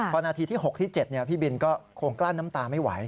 พอนาทีที่๖ที่๗พี่บินก็คงกลั้นน้ำตาไม่ไหว